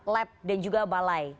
lab dan juga balai